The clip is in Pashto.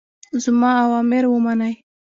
زما اوامر ومنئ.